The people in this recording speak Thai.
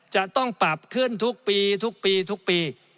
จะต้องปรับขึ้นทุกปีทุกปีทุกปี